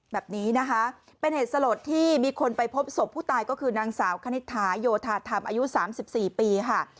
แบบนี้นะคะเป็นเหตุสลดที่มีคนไปพบศพผู้ตายก็คือนางสาวคณิตหาโยธาธรรมอายุ๓๔ปีค่ะ